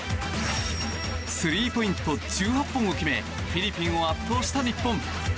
スリーポイント１８本を決めフィリピンを圧倒した日本。